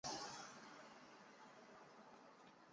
原因可能是计算乘客重量时用的是估计重量。